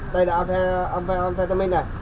đây là amphetamine này